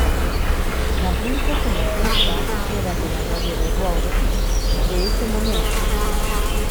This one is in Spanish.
Las risas en la pista eran de la novia de Rhodes de ese momento.